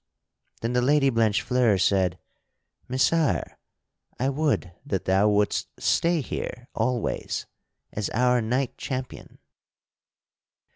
Then the Lady Blanchefleur said: "Messire, I would that thou wouldst stay here always as our knight champion."